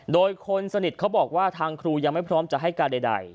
โดยคนสนิทเขาบอกว่าทางครูยังไม่พร้อมจะให้การใด